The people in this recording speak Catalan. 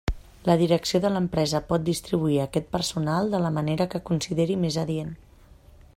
La direcció de l'empresa pot distribuir aquest personal de la manera que consideri més adient.